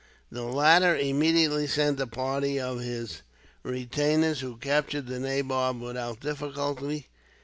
The latter immediately sent a party of his retainers, who captured the nabob without difficulty.